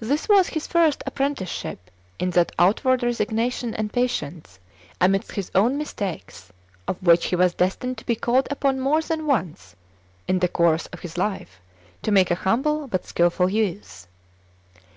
This was his first apprenticeship in that outward resignation and patience, amidst his own mistakes, of which he was destined to be called upon more than once in the course of his life to make a humble but skilful use.